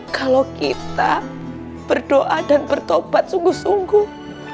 kalau kita berdoa dan bertobat sungguh sungguh